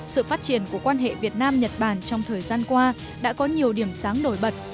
sự phát triển của quan hệ việt nam nhật bản trong thời gian qua đã có nhiều điểm sáng nổi bật